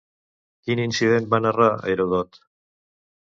Quin incident va narrar Herodot?